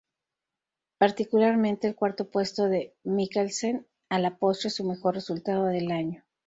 Particularmente el cuarto puesto de Mikkelsen, a la postre su mejor resultado del año.